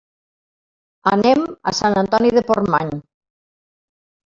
Anem a Sant Antoni de Portmany.